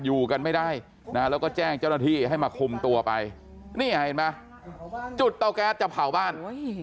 อยู่กันไม่ได้นะแล้วก็แจ้งเจ้าหน้าที่ให้มาคุมตัวไปนี่เห็นไหมจุดเตาแก๊สจะเผาบ้าน